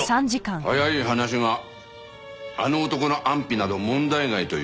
早い話があの男の安否など問題外という事だね。